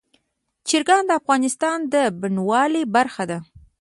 چرګان د افغانستان د بڼوالۍ برخه ده.